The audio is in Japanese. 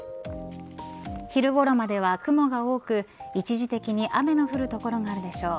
昼ごろまでは雲が多く一時的に雨の降る所があるでしょう。